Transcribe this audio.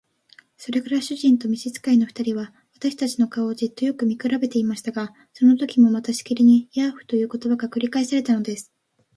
それから主人と召使の二人は、私たちの顔をじっとよく見くらべていましたが、そのときもまたしきりに「ヤーフ」という言葉が繰り返されたのです。